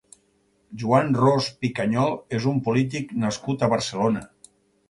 Juan Ros Picañol és un polític nascut a Barcelona.